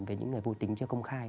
với những người vô tính chưa công khai